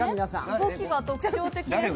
動きが特徴的ですよ。